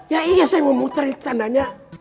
ya iya saya memutari tandanya